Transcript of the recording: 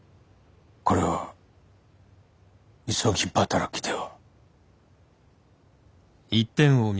これは急ぎ働きでは。